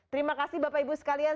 terima kasih bapak ibu sekalian